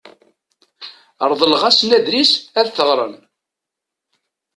Reḍleɣ-asen adlis ad t-ɣren.